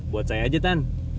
buat saya aja tan